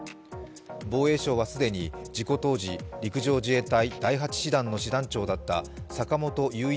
防衛省は既に、事故当時陸上自衛隊第８師団の師団長だった坂本雄一